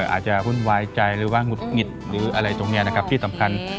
อาจจะวุ่นวายใจหรือว่าหงุดหงิดหรืออะไรตรงนี้นะครับที่สำคัญ